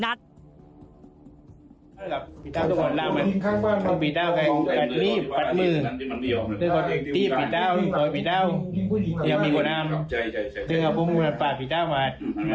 นัดพี่เต้าต้องห่วงด้านมาพี่เต้าแค่กัดรีบปัดมือ